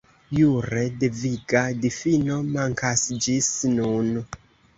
Jure deviga difino mankas ĝis nun.